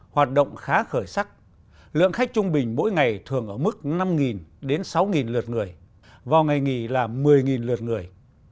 hoạt động khá khởi sắc lượng khách trung bình mỗi ngày thường ở mức năm đến sáu lượt người vào ngày nghỉ là một mươi lượt người